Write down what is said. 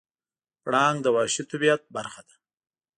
پړانګ د وحشي طبیعت برخه ده.